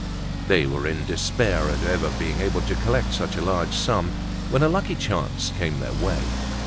They were in despair at ever being able to collect such a large sum when a lucky chance came their way.